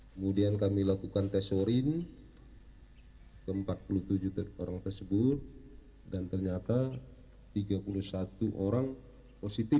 kemudian kami lakukan tes urin ke empat puluh tujuh orang tersebut dan ternyata tiga puluh satu orang positif